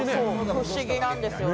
不思議なんですよね。